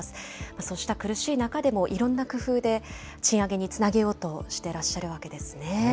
そうした苦しい中でも、いろんな工夫で賃上げにつなげようとしてらっしゃるわけですね。